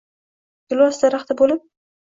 gilos daraxti boʼlib